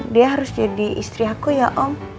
dia harus jadi istri aku ya om